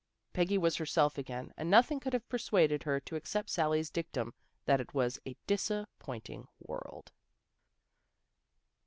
Peggy was herself again, and nothing could have persuaded her to accept Sally's dictum that it was a disappointing world.